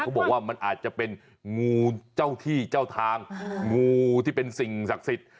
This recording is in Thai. บอกว่ามันอาจจะเป็นงูเจ้าที่เจ้าทางงูที่เป็นสิ่งศักดิ์สิทธิ์